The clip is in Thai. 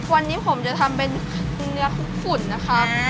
วันนี้ผมจะทำเป็นเนื้อคลุกฝุ่นนะครับ